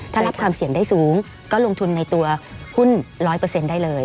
ถ้ารับความเสี่ยงได้สูงก็ลงทุนในตัวหุ้น๑๐๐ได้เลย